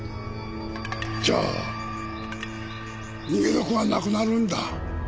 じゃあ逃げ得はなくなるんだ。